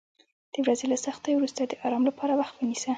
د ورځې له سختیو وروسته د آرام لپاره وخت ونیسه.